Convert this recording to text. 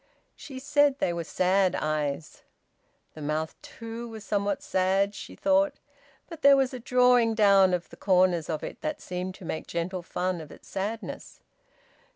She said they were sad eyes. The mouth, too, was somewhat sad (she thought), but there was a drawing down of the corners of it that seemed to make gentle fun of its sadness.